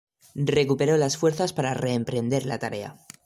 Recuperó las fuerzas para reemprender la tarea.